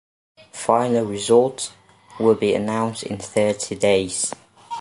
Final results will be announced in thirty days.